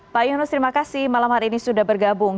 pak yunus terima kasih malam hari ini sudah bergabung